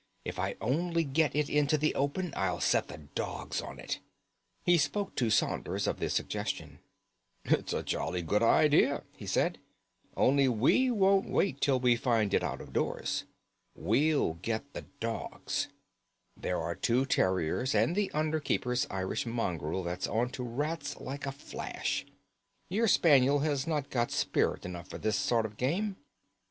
"If I only get it into the open I'll set the dogs on to it." He spoke to Saunders of the suggestion. "It's jolly good idea," he said; "only we won't wait till we find it out of doors. We'll get the dogs. There are the two terriers and the under keeper's Irish mongrel that's on to rats like a flash. Your spaniel has not got spirit enough for this sort of game."